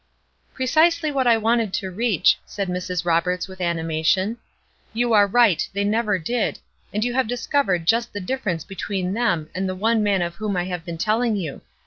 "Precisely what I wanted to reach," said Mrs. Roberts, with animation. "You are right, they never did; and you have discovered just the difference between them and the one man of whom I have been telling you.